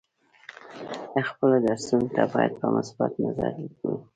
خپلو درسونو ته باید په مثبت نظر وګورو.